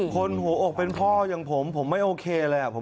หัวอกเป็นพ่ออย่างผมผมไม่โอเคเลย